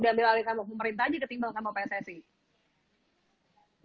diambil alih sama pemerintah aja ketimbang sama pssi